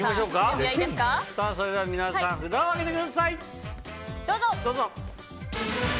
それでは皆さん札を上げてください。